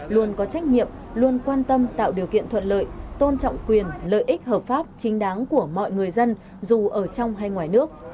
luôn có trách nhiệm luôn quan tâm tạo điều kiện thuận lợi tôn trọng quyền lợi ích hợp pháp chính đáng của mọi người dân dù ở trong hay ngoài nước